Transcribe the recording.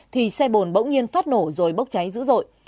thì xe bồn bỗng nhiên phát nổ rồi bốc cháy dữ dội